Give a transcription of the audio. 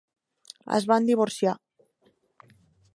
Es van divorciar.